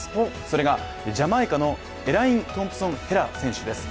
それがジャマイカのエライン・トンプソン・ヘラ選手です。